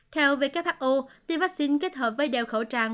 theo who tiêm vaccine kết hợp với đeo khẩu trang